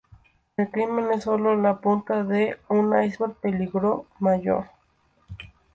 El crimen es solo la punta de un iceberg peligro mayor.